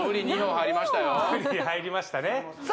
入りましたねさあ